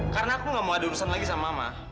karena aku nggak mau ada urusan lagi sama mama